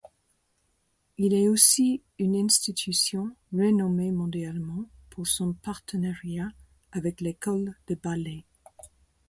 Il est aussi une institution renommée mondialement pour son partenariat avec l'École de ballet.